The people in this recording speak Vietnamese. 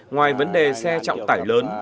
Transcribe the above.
ngoài vấn đề xe trọng tải lớn